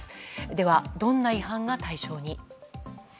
では、どんな違反が対象に？